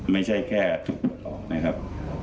ไม่ใช่แค่ถูกปลดออกนะครับ